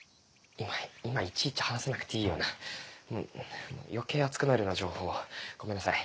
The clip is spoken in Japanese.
今いちいち話さなくていいような余計暑くなるような情報をごめんなさい。